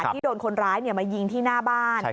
ที่โดนคนร้ายมายิงที่หน้าบ้าน